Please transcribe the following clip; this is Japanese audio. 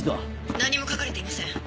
何も書かれていません。